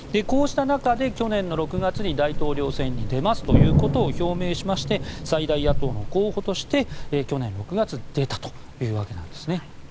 こうした中、去年６月に大統領選に出ますということを表明しまして最大野党の候補として去年６月、出たというわけです。